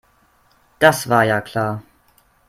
Das war ja klar.